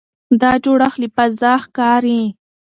دا جوړښت له فضا ښکاري.